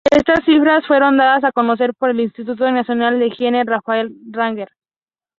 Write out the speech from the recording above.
Estas cifras fueron dadas a conocer por el Instituto Nacional de Higiene Rafael Rangel.